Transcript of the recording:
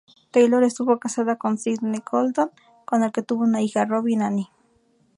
Taylor estuvo casada con Sidney Colton, con el que tuvo una hija, Robin Anne.